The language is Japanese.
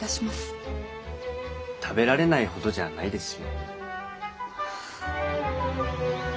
食べられないほどじゃないですよ。